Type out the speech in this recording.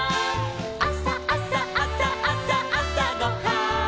「あさあさあさあさあさごはん」